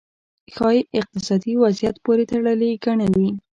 ښايي اقتصادي وضعیت پورې تړلې ګڼلې.